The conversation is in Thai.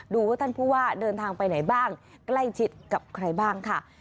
ว่าท่านผู้ว่าเดินทางไปไหนบ้างใกล้ชิดกับใครบ้างค่ะ